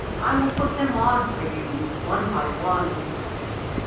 I will put them on for you one by one.